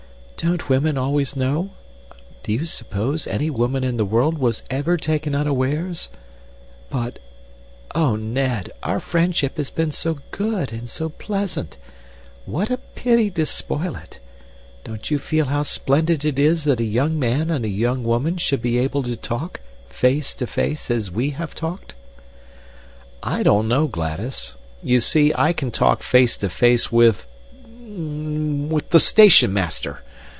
"Don't women always know? Do you suppose any woman in the world was ever taken unawares? But oh, Ned, our friendship has been so good and so pleasant! What a pity to spoil it! Don't you feel how splendid it is that a young man and a young woman should be able to talk face to face as we have talked?" "I don't know, Gladys. You see, I can talk face to face with with the station master."